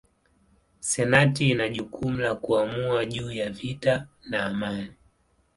Senati ina jukumu la kuamua juu ya vita na amani.